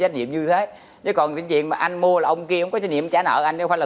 trách nhiệm như thế chứ còn cái chuyện mà anh mua là ông kia không có trách nhiệm trả nợ anh em phải làm